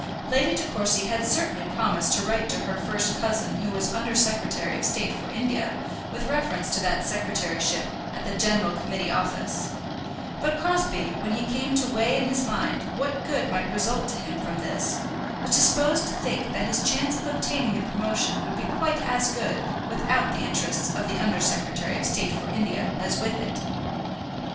Lady De Courcy had certainly promised to write to her first cousin who was Under Secretary of State for India, with reference to that secretaryship at the General Committee Office; but Crosbie, when he came to weigh in his mind what good might result to him from this, was disposed to think that his chance of obtaining the promotion would be quite as good without the interest of the Under Secretary of State for India as with it.